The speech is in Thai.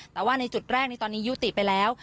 แต่ว่าในจุดแรกนี้ตอนนี้ยุติไปแล้ว